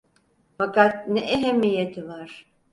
Fakat ne ehemmiyeti var?